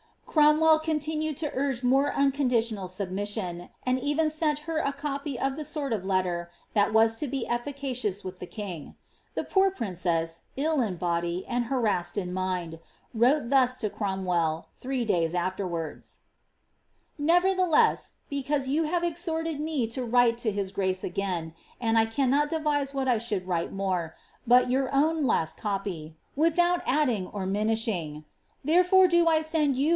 Cromwell criniinued to urge more unconditional submission, and even sent her a copy of the sort letter tliat was to be efficacious wiih the king. The poor princess, in body, and harassed in mind, wrote thus to Cromwell, three days afterwards :— 'Naverthelcss, because yon have exhorted me to writn lo l>i» grace again. e adniitMd to the kiug s piawuc I lays ^H and ^H 130 XA.RT. I cannot devise what I should write more, but your own Uui tppf, without add ing or mtNtsAifig ; therefore do I send yon.